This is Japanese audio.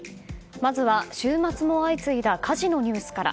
まずは週末も相次いだ火事のニュースから。